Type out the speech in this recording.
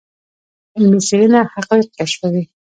علمي څېړنه حقایق کشفوي.